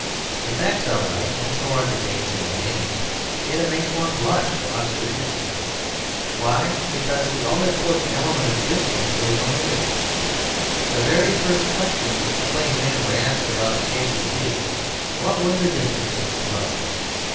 The facts are right and so are the dates and the names, yet it makes one blush for Oxford history. Why? Because the all important element of distance is omitted. The very first question a plain man would ask about the case would be, "What were the distances involved?"